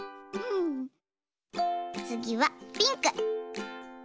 つぎはピンク。